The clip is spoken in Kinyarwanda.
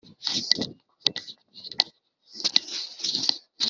muzatsinda ikizamini k’ikinyarwanda